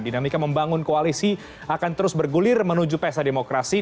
dinamika membangun koalisi akan terus bergulir menuju pesta demokrasi